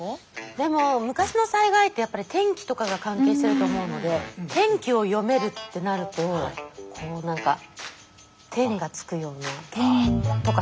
でも昔の災害ってやっぱり天気とかが関係してると思うので天気を読めるってなるとこう何か天がつくような天とか。